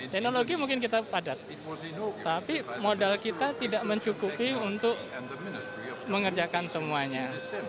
teknologi mungkin kita padat tapi modal kita tidak mencukupi untuk mengerjakan semuanya